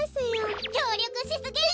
きょうりょくしすぎる！